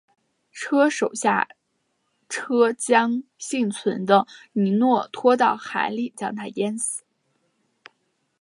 车手下车将幸存的尼诺拖到海里将他淹死。